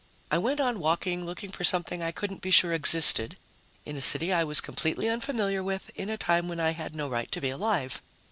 I went on walking, looking for something I couldn't be sure existed, in a city I was completely unfamiliar with, in a time when I had no right to be alive.